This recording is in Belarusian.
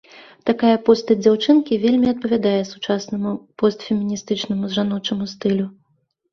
Такая постаць дзяўчынкі вельмі адпавядае сучаснаму постфеміністычнаму жаночаму стылю.